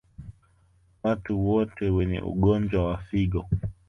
Watu wote wenye ugonjwa wa figo